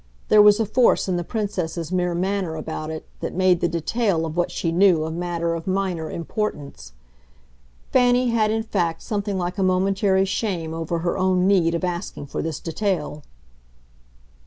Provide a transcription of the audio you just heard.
There was a force in the Princess's mere manner about it that made the detail of what she knew a matter of minor importance. Fanny had in fact something like a momentary shame over her own need of asking for this detail.